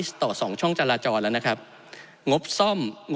ที่เราจะต้องลดความเหลื่อมล้ำโดยการแก้ปัญหาเชิงโครงสร้างของงบประมาณ